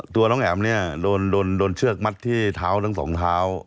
ตัวน้องแอ๋มเนี่ยโดนเชือกมัดที่เท้าทั้งสองเท้า